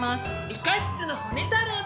理科室のホネ太郎です。